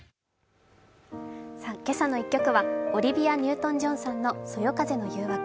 「けさの１曲」はオリビア・ニュートン＝ジョンさんの「そよ風の誘惑」